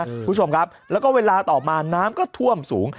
คุณผู้ชมครับแล้วก็เวลาต่อมาน้ำก็ท่วมสูง